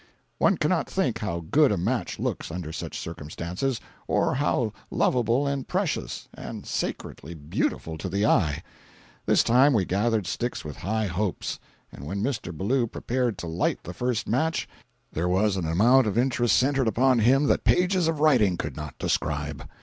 One cannot think how good a match looks under such circumstances—or how lovable and precious, and sacredly beautiful to the eye. This time we gathered sticks with high hopes; and when Mr. Ballou prepared to light the first match, there was an amount of interest centred upon him that pages of writing could not describe.